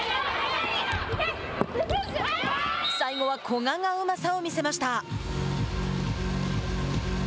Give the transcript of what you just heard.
最後は古賀がうまさを見せました。